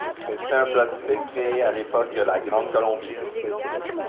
C'est un plat typique créé à l'époque de la Grande Colombie.